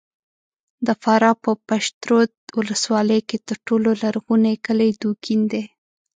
د فراه په پشترود ولسوالۍ کې تر ټولو لرغونی کلی دوکین دی!